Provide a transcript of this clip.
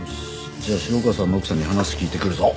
じゃあ城川さんの奥さんに話聞いてくるぞ。